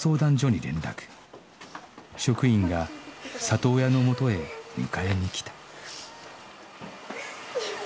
職員が里親の元へ迎えに来た